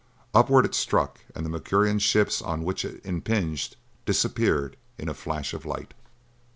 Upward it struck, and the Mercurian ships on which it impinged disappeared in a flash of light.